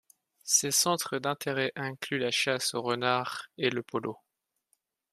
Ses centres d'intérêt incluent la chasse aux renards et le polo.